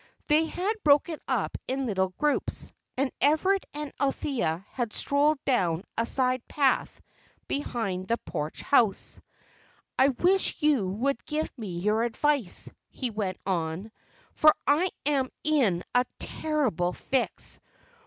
They had broken up in little groups, and Everard and Althea had strolled down a side path behind the Porch House. "I wish you would give me your advice," he went on, "for I am in a terrible fix.